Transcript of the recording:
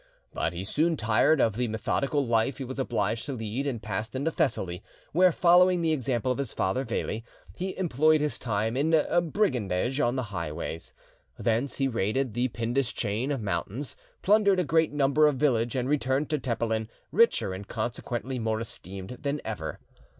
But he soon tired of the methodical life he was obliged to lead, and passed into Thessaly, where, following the example of his father Veli, he employed his time in brigandage on the highways. Thence he raided the Pindus chain of mountains, plundered a great number of villages, and returned to Tepelen, richer and consequently more esteemed than ever.